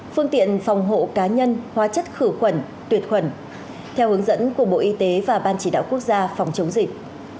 phương tiện phòng hộ cá nhân hóa chất khử khuẩn tuyệt khuẩn theo hướng dẫn của bộ y tế và ban chỉ đạo quốc gia phòng chống dịch